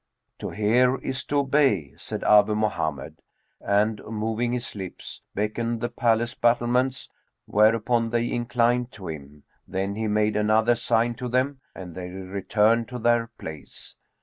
"To hear is to obey," said Abu Mohammed and, moving his lips, beckoned the palace battlements,[FN#230] whereupon they inclined to him; then he made another sign to them, and they returned to their place.